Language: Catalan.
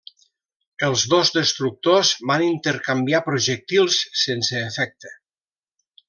Els dos destructors van intercanviar projectils sense efecte.